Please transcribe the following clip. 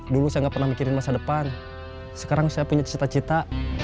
dulu saya nggak pernah mikirin masa depan sekarang saya punya cita cita